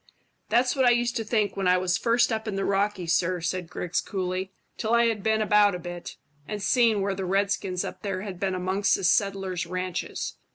"That's what I used to think when I was first up in the Rockies, sir," said Griggs coolly, "till I had been about a bit, and seen where the redskins up there had been amongst the settlers' ranches.